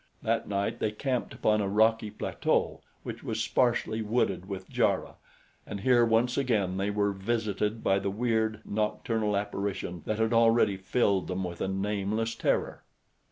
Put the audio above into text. That night they camped upon a rocky plateau which was sparsely wooded with jarrah, and here once again they were visited by the weird, nocturnal apparition that had already filled them with a nameless terror.